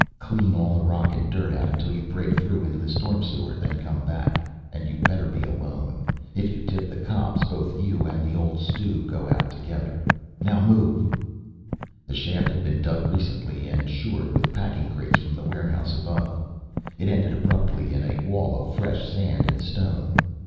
Clean all the rock and dirt out until you break through into the storm sewer, then come back. And you better be alone. If you tip the cops both you and the old stew go out together now move." The shaft had been dug recently and shored with packing crates from the warehouse overhead. It ended abruptly in a wall of fresh sand and stone.